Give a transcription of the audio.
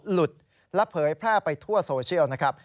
หลุดและเผยแพร่ไปทั่วโซเชียลนะครับ